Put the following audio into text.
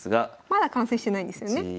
まだ完成してないんですよね？